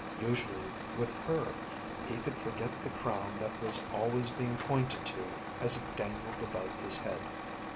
Usually, with her, he could forget the crown that was always being pointed to as it dangled above his head.